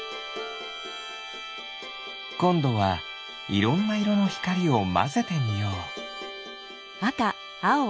こんどはいろんないろのひかりをまぜてみよう。